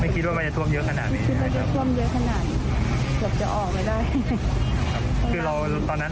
ไม่คิดว่ามันจะท่วมเยอะขนาดนี้นะครับไม่คิดว่ามันจะท่วมเยอะขนาดนี้เกือบจะออกไปได้